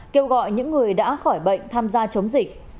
kêu gọi những người đã khỏi bệnh tham gia chống dịch